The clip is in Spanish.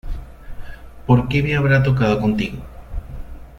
¡ Por qué me habrá tocado contigo!